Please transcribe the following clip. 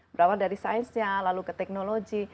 berawal dari sainsnya lalu ke teknologi